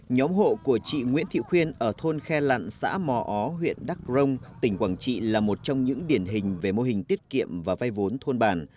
nhóm hộ của chị nguyễn thị khuyên ở thôn khe lặn xã mò ó huyện đắc rông tỉnh quảng trị là một trong những điển hình về mô hình tiết kiệm và vay vốn thôn bản